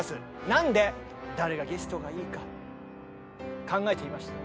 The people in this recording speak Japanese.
なんで誰がゲストがいいか考えていました。